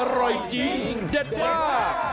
อร่อยจริงเด็ดมาก